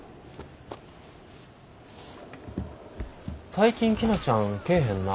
最近陽菜ちゃん来えへんな。